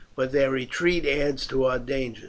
But their retreat adds to our danger.